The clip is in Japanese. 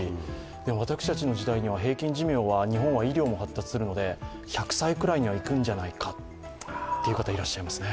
でも私たちの時代には平均寿命は日本は医療も発達するので１００歳くらいにいくんじゃないかという方、いらっしゃいますね。